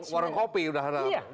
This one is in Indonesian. warung kopi udah